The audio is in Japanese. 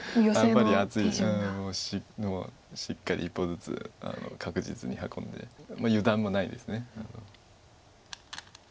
やっぱり厚いしもうしっかり一歩ずつ確実に運んで油断もないです。